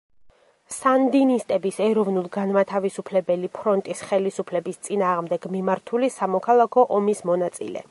სანდინისტების ეროვნულ-განმათავისუფლებელი ფრონტის ხელისუფლების წინააღმდეგ მიმართული სამოქალაქო ომის მონაწილე.